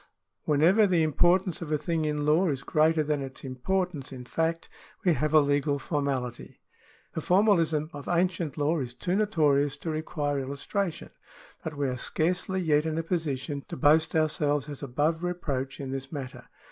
Whenever the importance of a thing in law is greater than its importance in fact, we have a legal formality. The formalism of ancient law is too notorious to require illustration, but we are scarcely yet in a position to boast ourselves as above reproach in this matter.